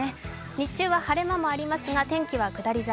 日中は晴れ間もありますが、天気は下り坂。